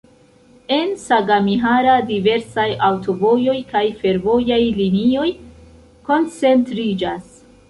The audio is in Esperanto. En Sagamihara diversaj aŭtovojoj kaj fervojaj linioj koncentriĝas.